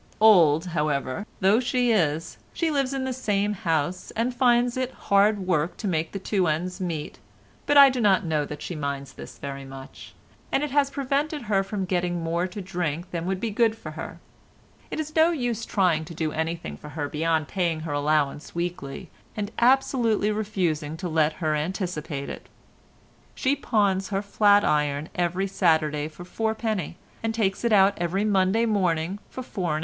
Old, however, though she is, she lives in the same house, and finds it hard work to make the two ends meet, but I do not know that she minds this very much, and it has prevented her from getting more to drink than would be good for her. It is no use trying to do anything for her beyond paying her allowance weekly, and absolutely refusing to let her anticipate it. She pawns her flat iron every Saturday for 4d., and takes it out every Monday morning for 4.5d.